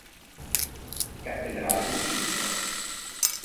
Cattedrale di Cristo